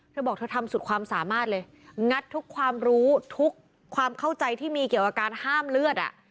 เธอบอกเธอทำสุดความสามารถเลยงัดทุกความรู้ทุกความเข้าใจที่มีเกี่ยวกับการห้ามเลือดอ่ะ